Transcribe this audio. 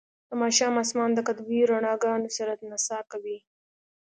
د ماښام اسمان د قطبي رڼاګانو سره نڅا کوي